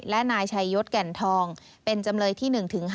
และนายชัยยศแก่นทองเป็นจำเลยที่๑๕